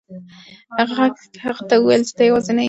غږ هغه ته وویل چې ته یوازې نه یې.